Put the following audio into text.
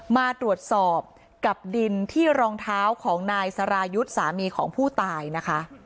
มาตรวจสอบกับดินที่รองเท้าของนายสรายุทธ์สามีของผู้ตายนะคะ